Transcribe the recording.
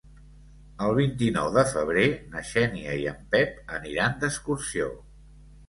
El vint-i-nou de febrer na Xènia i en Pep aniran d'excursió.